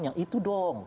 yang itu dong